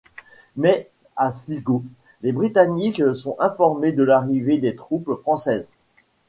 Mais à Sligo, les Britanniques sont informés de l'arrivée des troupes françaises.